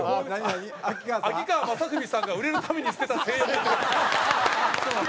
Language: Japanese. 「秋川雅史さんが売れるために捨てた性欲」